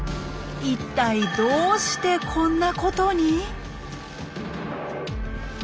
一体どうしてこんなことに？